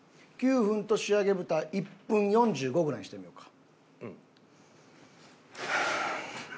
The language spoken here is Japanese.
９分と仕上げ蓋１分４５ぐらいにしてみようか。